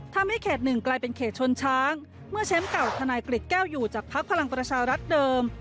ทำให้เขตหนึ่งกลายเป็นเขตชนช้างเมื่อแชมป์เก่าทนายกฤษแก้วอยู่จากพักพลังประชารัฐเดิม